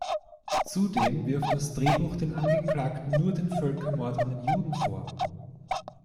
Zudem wirft das Drehbuch den Angeklagten nur den Völkermord an den Juden vor.